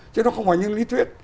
chứ nó không có những lý thuyết